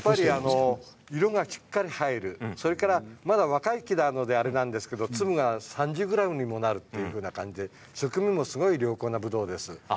色がしっかり入るそれからまだ若い木なのであれなんですけど粒が３０ｇにもなるという感じで食味も良好なぶどうです。